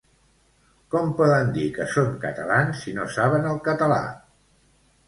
Com poden dir que són catalans si no saben el català?